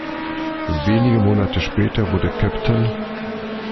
Wenige Monate später wurde Cpt.